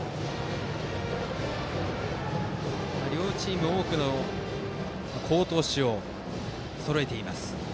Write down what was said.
両チーム、多くの好投手をそろえています。